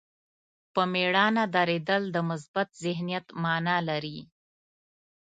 په مېړانه درېدل د مثبت ذهنیت معنا لري.